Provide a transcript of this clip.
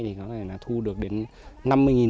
có thể thu được đến năm mươi nghìn